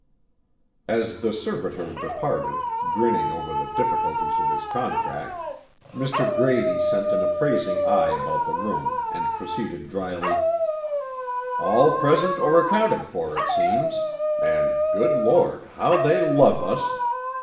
As the servitor departed, grinning over the difficulties of his contract, Mr. Grady sent an appraising eye about the room and proceeded drily, "All present or accounted for, it seems and Good Lord, how they love us!